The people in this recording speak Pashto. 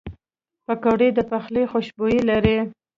پکورې د پخلي خوشبویي لري